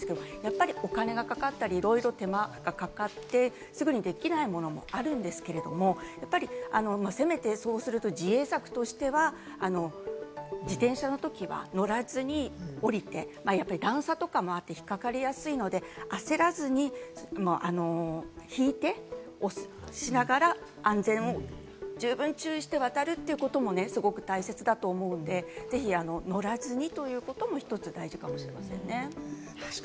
鉄道会社とかも、いろいろ対策は講じているんですけれども、やっぱりお金がかかったり、手間がかかってすぐにできないものもあるんですけれども、やっぱりせめてそうすると自衛策としては自転車のときは乗らずに降りて段差とかもあって引っかかりやすいので、焦らずに引いて押しながら、安全を十分注意して渡るということもすごく大切だと思うので、ぜひ乗らずにということも一つ大事かもしれませんね。